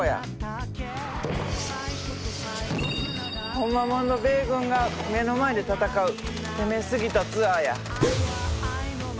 ホンマもんの米軍が目の前で戦う攻めすぎたツアーや。